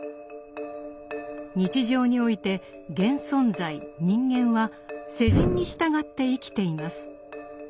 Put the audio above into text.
日常において現存在人間は世人に従って生きています。